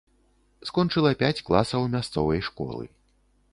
Скончыла пяць класаў мясцовай школы.